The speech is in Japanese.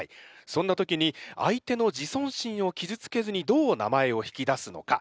そんな時に相手の自尊心をきずつけずにどう名前を引き出すのか。